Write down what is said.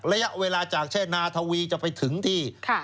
ระยะเวลาจากแช่นาทวีจะไปถึงที่